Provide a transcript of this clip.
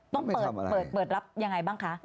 ต้องเปิดรับยังไงบ้างคะ